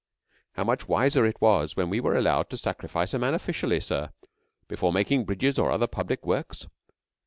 How much wiser it was when we were allowed to sacrifice a man officially, sir, before making bridges or other public works.